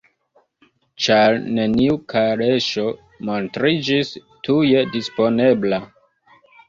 Ĉar neniu kaleŝo montriĝis tuje disponebla: